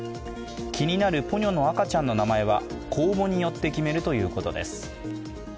気になるポニョの赤ちゃんの名前は、公募によって決めるということです。